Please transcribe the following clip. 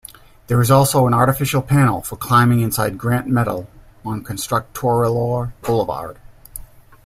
There is also an artificial panel for climbing inside Grant Metal on Constructorilor boulevard.